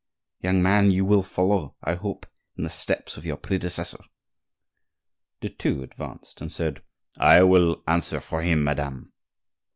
Young man, you will follow, I hope, in the steps of your predecessor." De Thou advanced and said: "I will answer for him, madame."